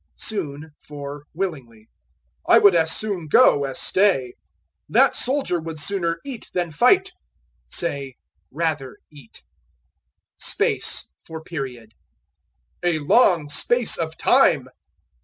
Soon for Willingly. "I would as soon go as stay." "That soldier would sooner eat than fight." Say, rather eat. Space for Period. "A long space of time."